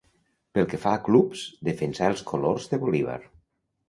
Pel que fa a clubs, defensà els colors de Bolívar.